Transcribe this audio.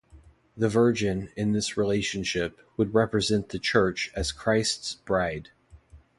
The Virgin, in this relationship, would represent the church as Christ's bride.